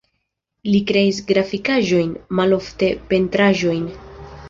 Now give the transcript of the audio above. Li kreis grafikaĵojn, malofte pentraĵojn.